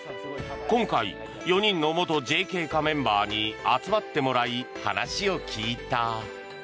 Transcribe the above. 今回、４人の元ＪＫ課メンバーに集まってもらい話を聞いた。